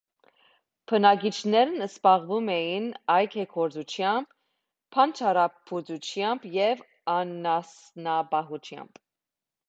Բնակիչներն զբաղվում էին այգեգործությամբ, բանջարաբուծությամբ և անասնապահությամբ։